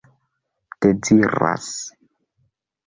deziras